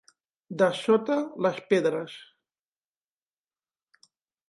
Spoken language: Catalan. De sota les pedres.